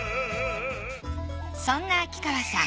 そんな秋川さん